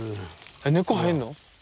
えっ根っこ生えんの？